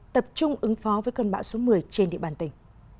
tập trung ứng phó với cơn bão số một mươi trên địa bàn tỉnh